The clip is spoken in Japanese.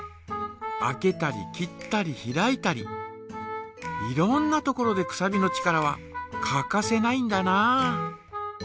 開けたり切ったり開いたりいろんなところでくさびの力は欠かせないんだな。